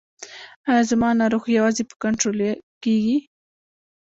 ایا زما ناروغي یوازې په کنټرول کیږي؟